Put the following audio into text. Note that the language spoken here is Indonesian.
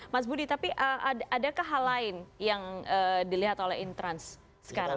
mas budi tapi adakah hal lain yang dilihat oleh intrans sekarang